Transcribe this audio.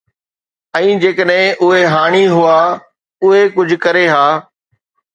۽ جيڪڏهن اهي هاڻي هئا، اهي ڪجهه ڪري ها.